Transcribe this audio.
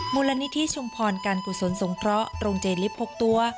มูลนิธิชุมพรการกุศลสงเคราะห์โรงเจลิฟต์๖ตัว